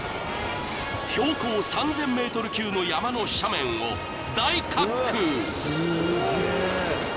［標高３，０００ｍ級の山の斜面を大滑空］